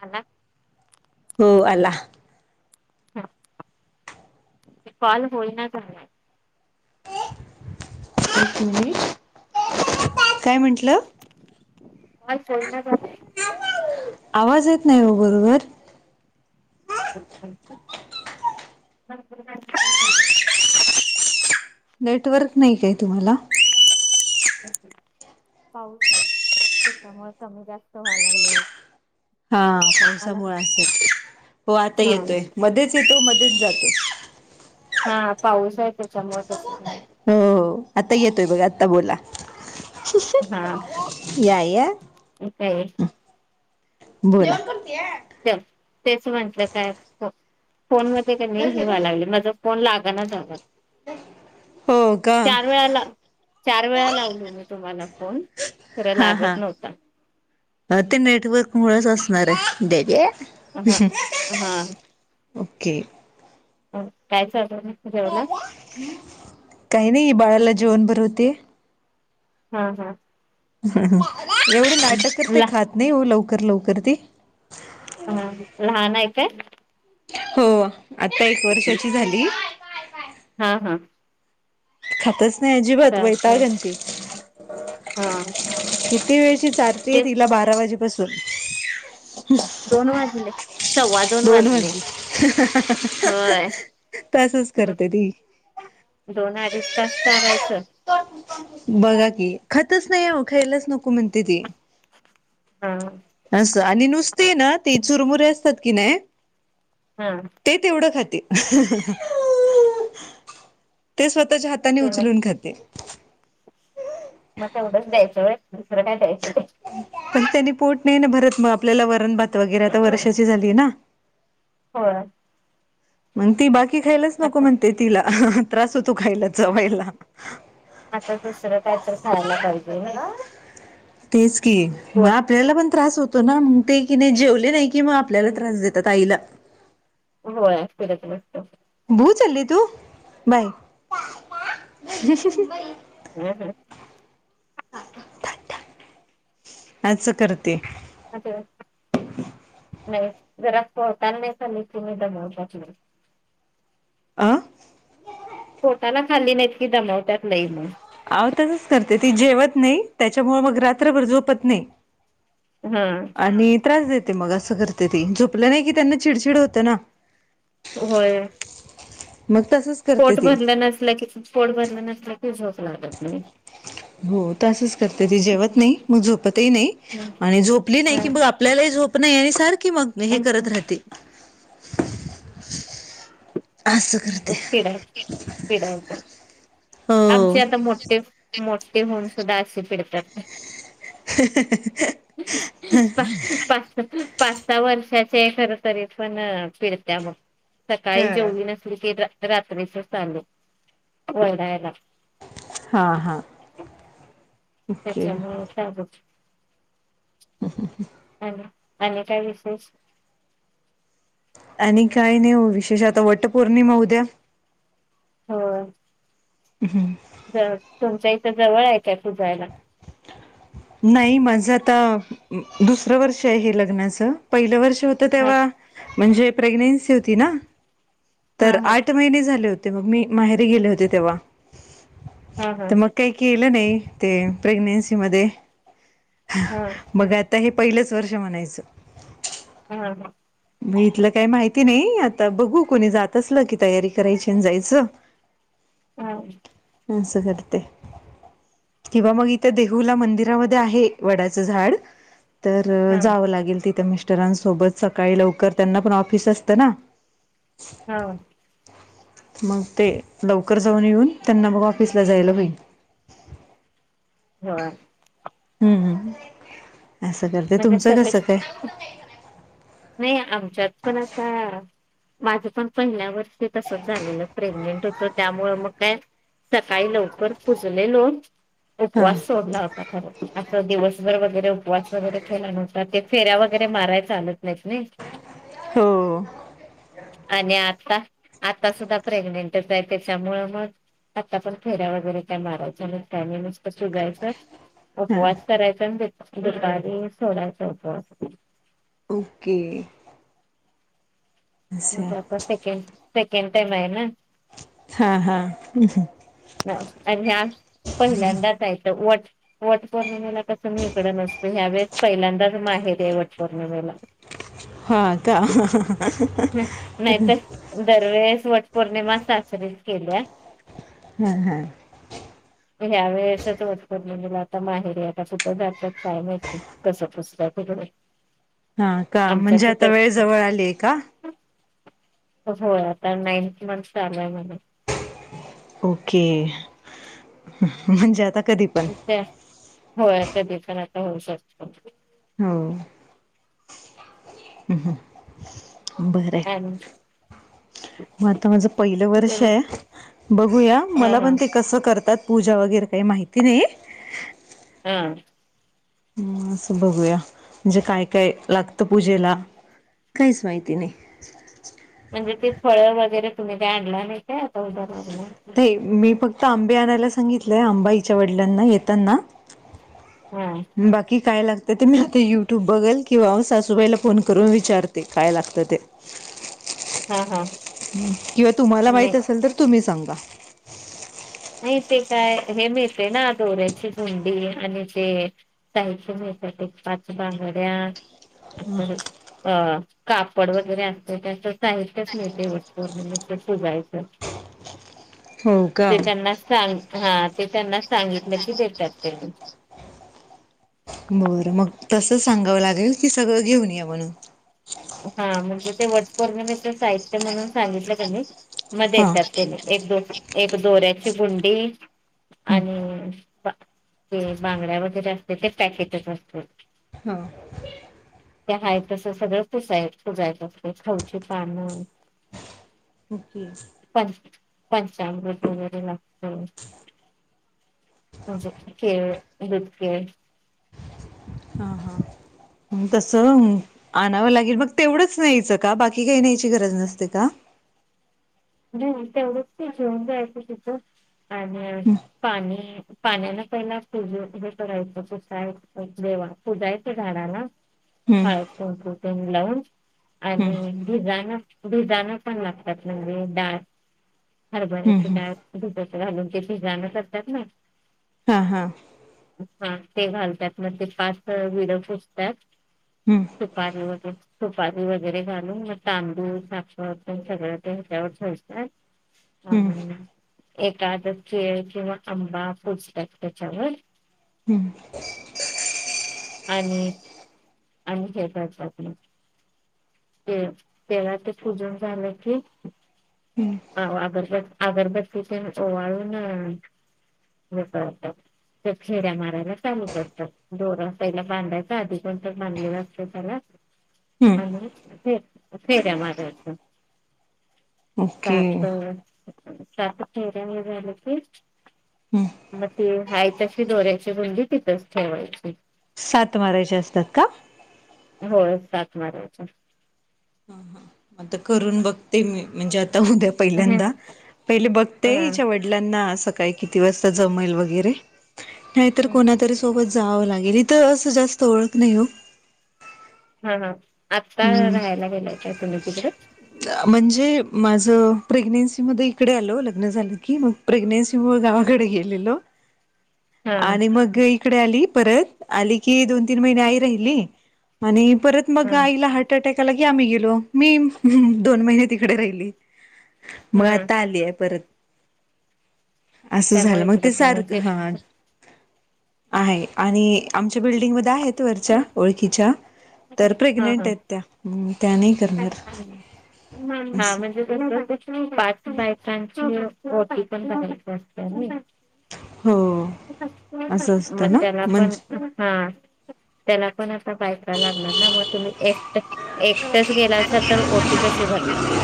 आला हो आला. कॉल होईना झालाय. काय म्हंटलं. कॉल होईना झालाय. आवाज येत नाही हो बरोबर. नेटवर्क नाही काय तुम्हाला? पाऊस नाही त्याच्यामुळे कमी जास्त व्हाय लागले वाटतं. हा पावसामुळे असं हो आता हा येतोय मध्येच येतो मध्येच जातो. हा पाऊस आहे त्याच्यामुळे तसं झालं हो आता येतोय बघा आता बोला या या. अ काय? बोला च तेच म्हंटलं काय फोन मध्ये क नी हे व्हायला लागले माझं फोन लागना झालाय. हो का चार वेळाला चार वेळा लावलो मी तुम्हाला फोन खरं लागतं नव्हता. अ ते नेटवर्क मुळेच असणार आहे. हा हा हा. ओके. काय? चालू आहे जेवला काही नाही बाळाला जेवण भरवतेय हम्म. एवढे नाटक कर ते ला खात नाही हो लवकर लवकर ती हम्म लहान आहे काय? हो आता एक वर्षाची झाली. हा हा खातच नाही अजिबात चालतंय वैताग अंती हा किती वेळ चारतिये तेच तिला बारा वाजे पासून दोन वाजले सव्वा दोन वाजले वाजल्या होय तसंच दो- करते ती दोन अडीच तास चरायच? बघा की खातच नाही खायलाच नको म्हणते ती हा असं आणि नुसते आहे ना ते चुरमुरे असतात की नाही हा ते ते तेवढं खाती ते स्वतः हाताने ते ना उचलून खाती मग तेवढंच द्यायच दुसरं काय द्यायचं ते पण त्यांनी पोट नाही ना भरत मग आपल्याला वरण भात वगैरे आता वर्षाची झालीना. होय. मग ती बाकी खायलाच नको आता म्हणते तिला त्रास होतो खायला चावायला आता दुसरं काय तर खायला पाहिजे. तेच की मग पोट आपल्याला पण त्रास होतो ना मग तेच की नाही जेवले नाही की मग आपल्याला त्रास देतात आईला होय. भुर चालली तू बाय. [unintelligible] [unintelligible] जरा पोटाला खाल्ले की नाही दमवत नाहीत मग आं पोटाला खाल्ली नाहीत की दमवत्यात लय मग अव तसच करते ती जेवत नाही त्याच्यामुळे मग रात्रभर झोपत नाही. हा आणि त्रास देते मग असं करते ती झोपलं नाही की त्यांना चिडचिड होते ना. होय. मग तसंच करते पोट ती भरलं नसल की पोट भरलं नसलं की झोप लागत नाही. हो तसच करते ती जेवत नाही मग झोपतही नाही आणि झोपली नाही ह की मग आपल्यालाही झोप नाही सारखी मग हे करत राहते. असं करते पीडाय पीडायच हो आमचे आता मोठे मोठे होऊन सुद्धा असे पिडतात. [unintelligible] पाच सहा वर्षाचे खरतरी पण पिडत्या बघ सकाळी हा जेवीली नस की रा रात्रीच चालू ओरडायला. हा हा. ओके. त्याच्यामुळं चालूच [inaudible] आनं आणि काय विशेष? आणि काय नाही ओ विशेष आता वट पौर्णिमा उद्या हो. [unintelligible] ज तुमच्या इथं जवळ आहे काय पूजायला? नाही माझ आता दुसरं वर्ष हे लग्नाच पहिल वर्ष होतं हा तेव्हा म्हणजे प्रेग्नेंसी होती ना हा तर हा आठ महिने झाले होत मग मी माहेरी गेले होते तेव्हा हा हा त मग काय के ल नाही ते प्रेग्नेन्सी मध्ये हा मग आता हे पहिलंच वर्ष म्हणायचं. हा हा. म इथलं काही माहिती नाही आता बघू कोणी जात असलं की तयारी करायची आणि जायचं. हा असं करते. किंवा मग इथ देहूला मंदिरामध्ये आहे वडाचं झाड तर हा जावं लागेल तिथं मिस्टरांसोबत स काळी लवकर त्यांना पण ऑफिस असतं ना. हा मग ते लवकर जाऊन येऊन त्यांना मग ऑफिसला जायला होईल. होय. हूं हूं असं करते म्हणजे तुमचं सगळे कसं काय नाही आमच्यात पण आता माझं पण पहिल्या वर्षी तसच झालेलं प्रेग्नेंट होतं त्यामुळ मग काय सकाळी लवकर पुजलेलो हा उपवास सोडला होता खर असं दिवसभर वगैरे उपवास वगैरे केला नव्हता ते फेऱ्या वगैरे माराय चालत [unintelligible] [inaudible] आणि आता आता सुद्धा प्रेग्नेंटच आहे त्याच्यामुळ मग आता पण फेऱ्या वगैरे काय मारायच्या नसत आणि नुसतं पुजायचं. हा उपवास करायचा आणि दुपारी सोडायचा उपवास ओके. असं माझं सेकंड सेकंड टाइम आहे ना. हा हा आणि हया पहिल्यांदाच येत. वट वट पौर्णिमेला कसं मी इकड नसतो हया वेळेस पहिल्यांदाच माहेरी आहे वट पौर्णिमेला. हा का नाही तर दरवेळेस वट पौर्णिमा सासरीचं केल्या. हं हं ह्या वेळेसच वट पौर्णिमेला आता माहेरी ये आता कुठं जातात काय माहित बाई कसं पुजतात. हो हा का म्हणजे आता वेळ जवळ आलीय का? हो आता नाईनटी वन चालूय मला. म्हणजे आता कधी पण त्या होय कधी पण आता होऊ शकतो. हो ह. बरंय. आणि म आता माझ पहिलं वर्षये. हा बघूया मला हा पण ते कस करतात. पूजा वगैरे काही माहिती नाही. हा. ह असं बघूया म्हणजे काय काय लागतं पूजेला. काहीच माहिती नाही. म्हणजे ते फळं वगैरे तुम्ही ते आणला नाही का? आता उद्या आता आंबे आणायला सांगितलंय. आंबा हीच्या वडिलांना येताना. हा बाकी. काय लागत ते मी आता युट्यूब बगल, किंवा सासूबाईला फोन करून विचारते. काय लागतं ते. हा हा. किंवा तुम्हाला नाही माहित असेल तर तुम्ही सांगा. ते काय हे मिळते ना? दोऱ्याची गूंडी आणि ते साहित्य मिळतं. पाच बांंगड्या. अत्तराची अं कापड वगैरे असत, त्याचं साहित्यच मीळते, वटपौर्णिमेचं पुजायचं. [inaudible] हो. का ते त्यांना सांग, हा ते त्यांना सांगितले की देतात ते. बरं मग तसं सांगावं लागेल, की सगळं घेऊन या म्हणून. हा म्हणजे ते वट पौर्णिमेच साहित्य म्हणून सांगितलं कनी मग हा देतात त्याने, एक दोऱ्याची एक दोऱ्याची गुंडी आणि ते बांगड्या वगैरे असतं, ते पॅकेटच असत. हा. त्या हय तसं सगळं. तसा तो पुजायच खाऊचे पानं ओके पं पंचामृत वगैरे लागत. म्हणजे केळ दुध केळ. हां हां तसं आणावं लागेल मग तेवढंच न्यायचं का? बाकी काही न्यायची गरज नसते का? [inaudible] ह तेवढच ते घेऊन जायचं तिथं आणि पाणी पाण्यानं पहि पूज हे करायचं, पुसायच देवा पूजायचं झाडाला. हम्म हाय. लावून हम्म आणि भिजाणं भिजाणं पण लागतात. म्हणजे डाळ, हम्म हरभऱ्याची हम्म डाळ दुधात घालून ते भिजाण करतात ना? हा हा. हा ते घालतात, मग ते पाच विड पुजतात हम्म सुपारी वगैरे सुपारी वगैरे घालून, मग तांदूळ, साखर पण सगळं ते त्यांच्यावर ठेवतात. ‌ हम्म सामना. एखाद केळ किंवा आंबा पुजतात त्याच्यावर. हम्म. आणि आणि हे करतात ते तेला ते पूजन झालं कि अवं अगरबत् अगरबत्ती ते ओवाळू न हे करतात. ते फेऱ्या मारायला चालू करतात. दोरा पहिला बांडायच, आधी कोण तर बांधलेला असतं, त्याला हम्म आणि फे फेऱ्या मारायच्या. ओके सात. सात फेऱ्या हे झालं की, हम्म म ते हाय तशी दोऱ्याची गुंडी तिथच ठेवायची. सात मारायचे असतात का? होय सात मारायच्या. ह हं आता करून बघते मी म्हणजे आ उद्या अहं पहिल्यांदा. पहिले बघते हा हि च्या वडलांना असं काही किती वाजता जमेल वगैरे? जावं लागेल, इथं असं जास्त ओळख नाही हो. हं हं. हम्म, म्हणजे माझं प्रेग्नेन्सी मध्ये इकडे आलो लग्न झालं की, मग प्रेग्नेन्सी मुळे गावाकडे गेलेलो, हा आणि मग इकडे आली, परत आली की दोन तीन महिने आई राहिली. आणि परत मग हा आईला हार्ट अटॅक लगे आम्ही गेलो. मी दोन महिने तिकडे राहिली. मग हा आता आली आहे परत. असं झालं, त्यामुळे मग इकडं ते सारखं कोणाचे हां आहे आणि आमच्या बिल्डिंगमध्ये आहेत वरच्या ओळखीच्या हा प्रेग्नेंटेत त्या. त्या नाही करणार. हा हा असं म्हणजे [unintelligible] बायकांची ओटी पण भरायची असते नी. हो असं असतं मग ना त्याला पण म्हणजे त्या बायका लागणार ना मग तुम्ही एक एकटच गेला असाल तर ओटी कशी भरणार. ह [inaudible]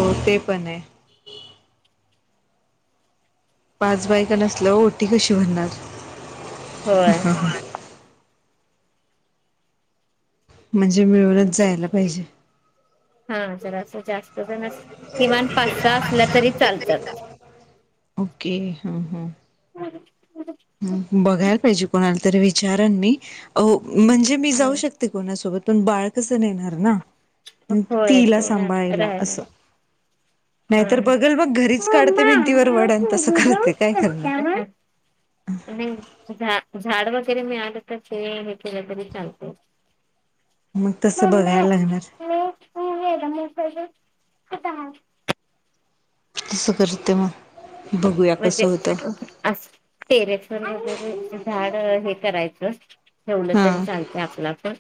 हो ते पणे. पाच बायक नसल्या ओटी कशी भनणार. होय म्हणजे मिळूनच म्हणजे जायला पाहिजे. हा जरासं जास्त जण किमान पाच सहा असल्या तरी चालतात. ओके ह ह. ह बघायला पाहिजे कोणाला तरी विचारन मी अ म्हणजे मी जाऊ शकते कोणासोबत पण बाळ कसं नेणार ना. ह् होय तिला ते सांभाळायला राहिले असं. नाही हा. तर बघल मग घरीच काढते भिंतीवर नाही वड आण तसं करते काय करणार. ह [inaudible] नाही झा झाड वगैरे मीळाल तर ते हे केलं तरी चालत. मग तसं बघायला लागणार. ह् हेग म क [unintelligible] तसं करते म. म्हजे अस टेरेस वर वगैरे झाड हे करायचं ठेवलं तरी हा चालते आपला अपण.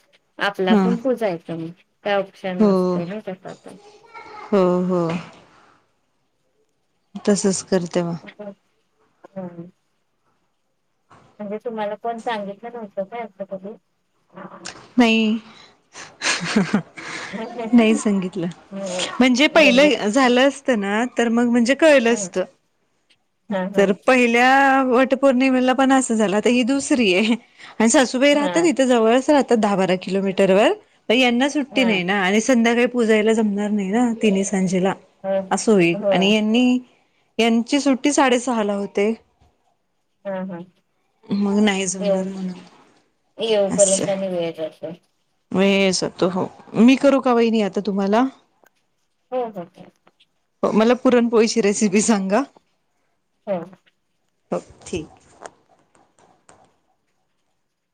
आपला हा आपण पूजायचं म काय ऑप्शन हो नसतोय ना त्याच्यातून. हो हो. तसच करते म. हा [inaudible] म्हणजे तुम्हाला पण सांगितलं नव्हतं काय असं कधी. नाही. म्हणजे नाही सगितलं म्हणजे पहिलं झालं असत ना तर मग म्हणजे कळलं असत. हा तर पहिल्या वटपौर्णिमेला पण असं झालं, अता ही दुसरीये. आणि सासूबाई हा हा हा राहतात इथे जवळच राहतात दहा बारा किलोमीटरवर यांना सुट्टी नाही ना आणि संध्याकाळी पूजायला जमणार नाही ना तिनी सांजेला हो अस होईल हो आणि यांनी यांची सुट टी साडे सहाला होते. हा हा मग नाही येऊ जमणार म्हणून असं येऊपर्यंत नि वेळ जातो. वेळ जातो हो. मी करू का वहिणी आता तुम्हाला हो हो करा. मला पुरणपोळीची रेसिपी सांगा. हो. हो ठीकये.